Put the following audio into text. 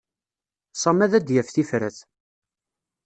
Sami ad d-yaf tifrat.